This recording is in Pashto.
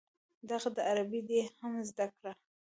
دغه ده عربي دې هم زده کړه.